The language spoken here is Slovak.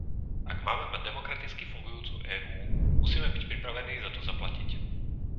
Ak máme mať demokraticky fungujúcu EÚ, musíme byť pripravení za to zaplatiť.